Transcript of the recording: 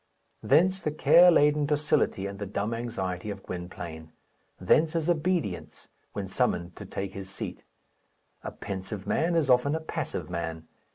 Thence the care laden docility and the dumb anxiety of Gwynplaine; thence his obedience when summoned to take his seat. A pensive man is often a passive man.